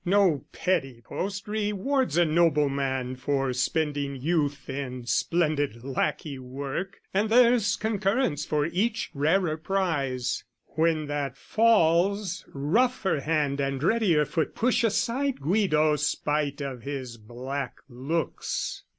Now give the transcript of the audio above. No petty post rewards a nobleman For spending youth in splendid lackey work, And there's concurrence for each rarer prize; When that falls, rougher hand and readier foot Push aside Guido spite of his black looks.